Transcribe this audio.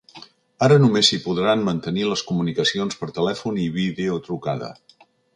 Ara només s’hi podran mantenir les comunicacions per telèfon i videotrucada.